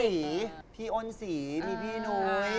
พี่สีพี่อ้นสีมีพี่นุ้ย